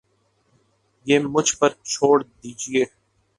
یہ مجھ پر چھوڑ دیجئے